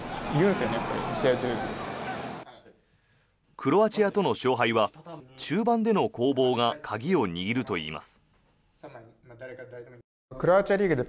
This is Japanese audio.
クロアチアとの勝敗は中盤での攻防が鍵を握るといいます。